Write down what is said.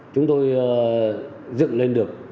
chúng tôi dựng lên được